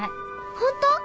本当？